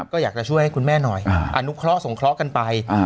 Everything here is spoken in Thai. ก็อยากจะช่วยให้คุณแม่หน่อยอนุเคราะห์สงเคราะห์กันไป